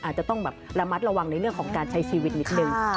อาจจะต้องแบบระมัดระวังในเรื่องของการใช้ชีวิตนิดนึง